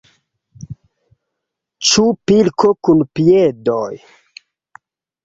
Ĉu pilko kun piedoj?